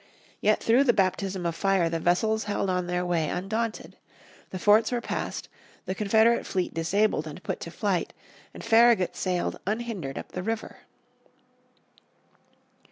Yet through the baptism of fire the vessels held on their way undaunted. The forts were passed, the Confederate fleet disabled and put to flight, and Farragut sailed unhindered up the river.